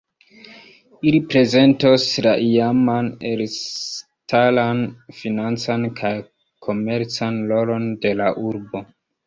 Ili prezentos la iaman elstaran financan kaj komercan rolon de la urbo.